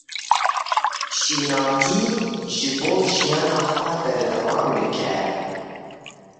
Şînatî, ji bo jiyana xwe berdewam bike.